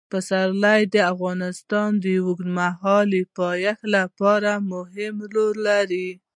پسرلی د افغانستان د اوږدمهاله پایښت لپاره مهم رول لري.